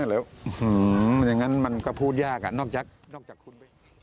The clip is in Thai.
อย่างนั้นมันก็พูดยากอ่ะนอกจากคุณไป